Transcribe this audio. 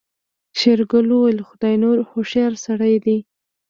شېرګل وويل خداينور هوښيار سړی دی.